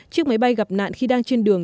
chiếc máy bay gặp nạn khi đang trên đường